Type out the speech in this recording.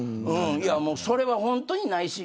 それは本当にない。